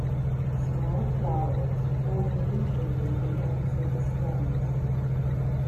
Small flowers, form usually at the ends of the stems.